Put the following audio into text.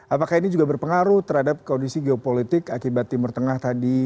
apakah ini juga berpengaruh terhadap kondisi geopolitik akibat timur tengah tadi